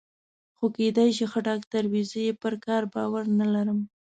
خو کېدای شي ښه ډاکټر وي، زه یې پر کار باور نه لرم.